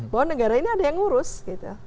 bahwa negara ini ada yang ngurus gitu